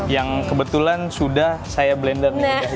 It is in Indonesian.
yang kebetulan sudah saya blender nih